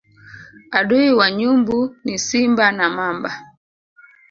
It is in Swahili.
Adui wa nyumbu ni simba na mamba